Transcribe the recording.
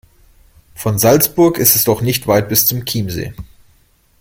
Von Salzburg ist es doch nicht weit bis zum Chiemsee.